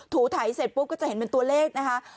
ไถเสร็จปุ๊บก็จะเห็นเป็นตัวเลขนะคะ